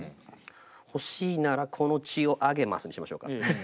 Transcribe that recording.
「欲しいならこの血をあげます」にしましょうか。